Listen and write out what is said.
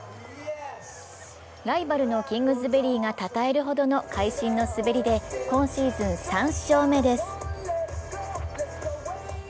ライバルのキングズベリーがたたえるほどの会心の滑りで今シーズン３勝目です。